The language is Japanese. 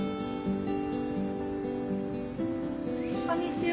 こんにちは。